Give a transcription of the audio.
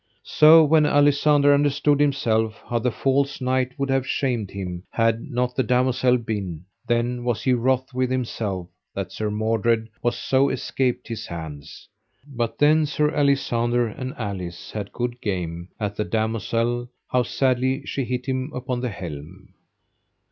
So when Alisander understood himself how the false knight would have shamed him had not the damosel been then was he wroth with himself that Sir Mordred was so escaped his hands. But then Sir Alisander and Alice had good game at the damosel, how sadly she hit him upon the helm.